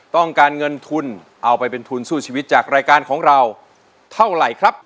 ต้องการเงินทุนเอาไปเป็นทุนสู้ชีวิตจากรายการของเราเท่าไหร่ครับ